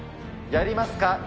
やりますか？